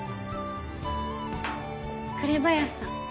紅林さん